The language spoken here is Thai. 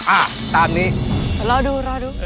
อ่ะตามนี้รอดู